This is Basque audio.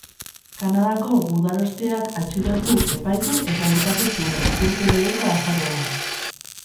Kanadako gudarosteak atxilotu, epaitu eta urkatu zuen, urte bereko azaroan.